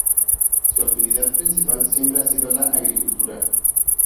Su actividad principal siempre ha sido la agricultura.